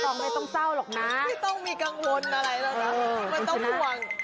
ก็ทำใจให้สบาย